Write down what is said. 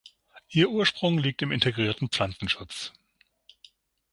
Ihr Ursprung liegt im integrierten Pflanzenschutz.